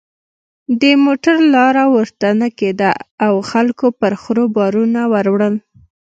د موټر لاره ورته نه کېده او خلکو پر خرو بارونه ور وړل.